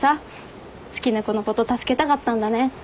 好きな子のこと助けたかったんだね。